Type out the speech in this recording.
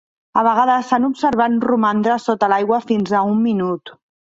A vegades s'han observat romandre sota l'aigua fins a un minut.